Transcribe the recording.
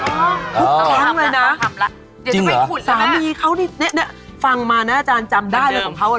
ทุกครั้งเลยนะจริงเหรอสามีเขานี่ฟังมานะอาจารย์จำได้อะไรของเขาเนอะ